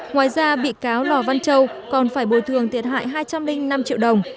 ngoài ra bị cáo lò văn châu còn phải bồi thường thiệt hại hai trăm linh năm triệu đồng